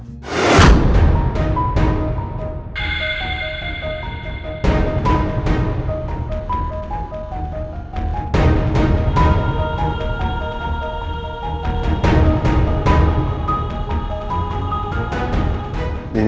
pertanyaan pertama apa maksudnya ini